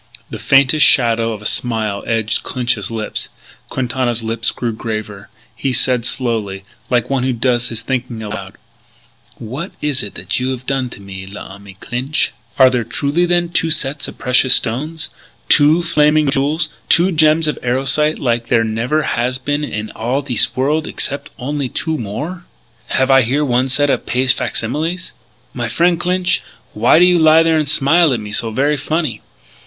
The faintest shadow of a smile edged Clinch's lips. Quintana's lips grew graver. He said slowly, like one who does his thinking aloud: "What is it you have done to me, l'ami Clinch?... Are there truly then two sets of precious stones? two Flaming Jewels? two gems of Erosite like there never has been in all thees worl' excep' only two more?... Or is one set false?... Have I here one set of paste facsimiles?... My frien' Clinch, why do you lie there an' smile at me so ver' funny